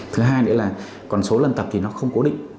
thứ hai nữa là còn số lần tập thì nó không cố định